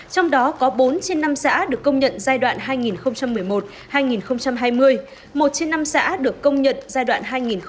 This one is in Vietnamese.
trong đó có bốn trên năm xã được công nhận giai đoạn hai nghìn một mươi một hai nghìn hai mươi một trên năm xã được công nhận giai đoạn hai nghìn một mươi sáu hai nghìn hai mươi